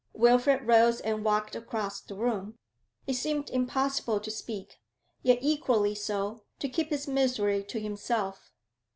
Wilfrid rose and walked across the room. It seemed impossible to speak, yet equally so to keep his misery to himself.